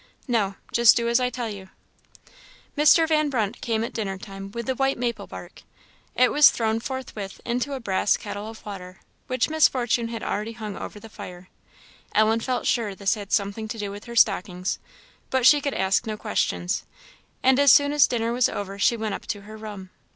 "No just do as I tell you." Mr. Van Brunt came at dinner time with the white maple bark. It was thrown forthwith into a brass kettle of water, which Miss Fortune had already hung over the fire. Ellen felt sure this had something to do with her stockings, but she could ask no questions; and as soon as dinner was over she went up to her room.